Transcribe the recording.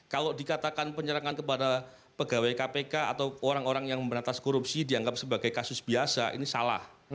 kalau dikatakan penyerangan kepada pegawai kpk atau orang orang yang memberantas korupsi dianggap sebagai kasus biasa ini salah